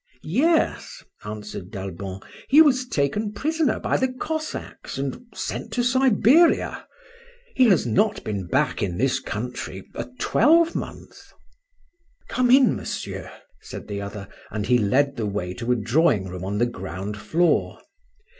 "Yes," answered d'Albon. "He was taken prisoner by the Cossacks and sent to Siberia. He has not been back in this country a twelvemonth." "Come in, monsieur," said the other, and he led the way to a drawing room on the ground floor.